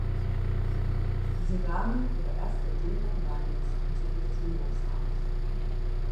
Sie nahmen ihre erste Demo namens "Into your dreams" auf.